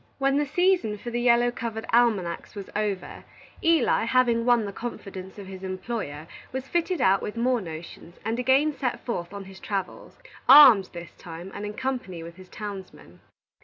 When the season for the yellow covered almanacs was over, Eli, having won the confidence of his employer, was fitted out with more notions, and again set forth on his travels, armed, this time, and in company with his townsman.